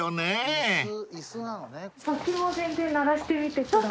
楽器も全然鳴らしてみてください。